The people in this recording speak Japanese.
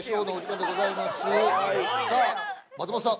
さあ松本さん。